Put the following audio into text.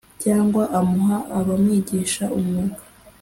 Cyangwa amuha abamwigisha umwuga